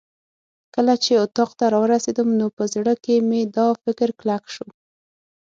کله چې اتاق ته راورسېدم نو په زړه کې مې دا فکر کلک شو.